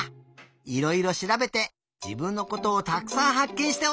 いろいろしらべて自分のことをたくさんはっけんしておいで！